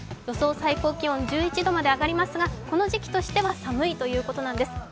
予想最高気温、１１度まで上がりますがこの時期としては寒いということなんです。